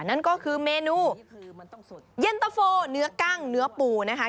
นั่นก็คือเมนูเย็นตะโฟเนื้อกั้งเนื้อปูนะคะ